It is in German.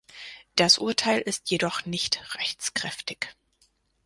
Das Urteil ist jedoch nicht rechtskräftig.